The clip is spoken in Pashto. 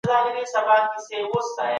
شتمني د ازموينې وسيله ده.